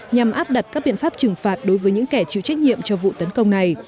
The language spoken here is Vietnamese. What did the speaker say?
nhằm áp đặt các biện pháp trừng phạt đối với những kẻ chịu trách nhiệm cho vụ tấn công này